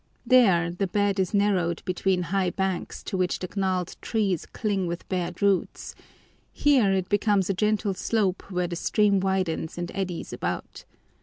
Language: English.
There, the bed is narrowed between high banks to which the gnarled trees cling with bared roots; here, it becomes a gentle slope where the stream widens and eddies about.